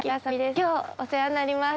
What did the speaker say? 今日お世話になります。